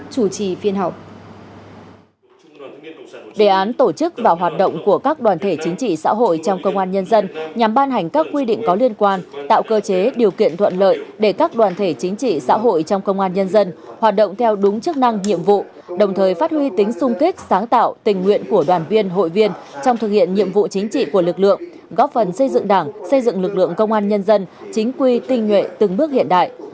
đề án tổ chức và hoạt động của các đoàn thể chính trị xã hội trong công an nhân dân nhằm ban hành các quy định có liên quan tạo cơ chế điều kiện thuận lợi để các đoàn thể chính trị xã hội trong công an nhân dân hoạt động theo đúng chức năng nhiệm vụ đồng thời phát huy tính sung kết sáng tạo tình nguyện của đoàn viên hội viên trong thực hiện nhiệm vụ chính trị của lực lượng góp phần xây dựng đảng xây dựng lực lượng công an nhân dân chính quy tinh nguyện từng bước hiện đại